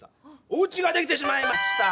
「おうち」ができてしまいました！